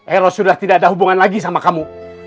ero sudah tidak ada hubungan lagi sama kamu